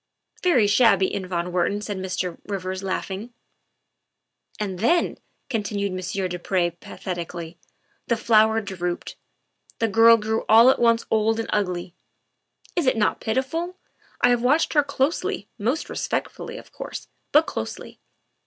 " Very shabby in von Wertman," said Mr. Rivers, laughing. '' And then, '' continued Monsieur du Pre pathetically, " the flower drooped; the girl grew all at once old and ugly. Is it not pitiful? I have watched her closely most respectfully, of course, but closely.